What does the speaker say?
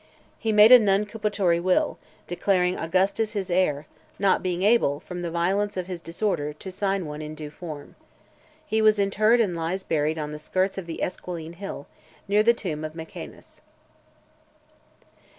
He made a nuncupatory will, declaring Augustus his heir, not being able, from the violence of his disorder, to sign one in due form. He was interred and lies buried on the skirts of the Esquiline Hill, near the tomb of Mecaenas.